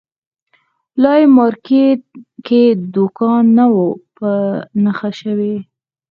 لا یې مارکېټ کې دوکان نه وو په نښه شوی.